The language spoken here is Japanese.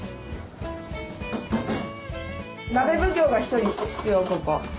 鍋奉行が１人必要ここ。